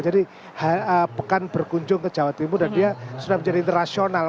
jadi pekan berkunjung ke jawa timur dan dia sudah menjadi rasional